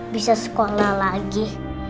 bisa sekolah lagi